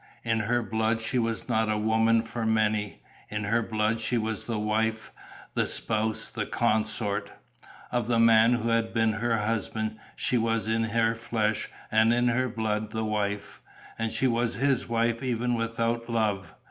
In her blood she was not a woman for many; in her blood she was the wife, the spouse, the consort. Of the man who had been her husband she was in her flesh and in her blood the wife; and she was his wife even without love.